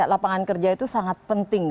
lapangan kerja itu sangat penting